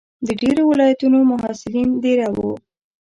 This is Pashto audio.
د ډېرو ولایتونو محصلین دېره وو.